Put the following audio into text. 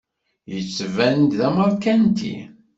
Yettban-d d ameṛkanti.